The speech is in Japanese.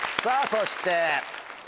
そして。